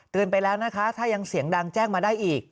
ไปแล้วนะคะถ้ายังเสียงดังแจ้งมาได้อีก